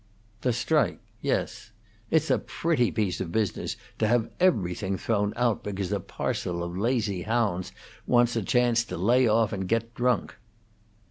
"The strike yes! It's a pretty piece of business to have everything thrown out because a parcel of lazy hounds want a chance to lay off and get drunk."